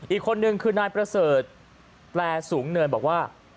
อีกคนนึงคือนายประเสริฐแปลสูงเนินบอกว่า